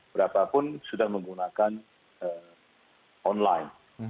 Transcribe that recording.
berapapun sudah menggunakan online